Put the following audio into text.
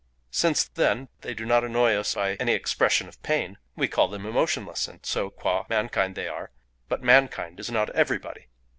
Since, then, they do not annoy us by any expression of pain we call them emotionless; and so quâ mankind they are; but mankind is not everybody.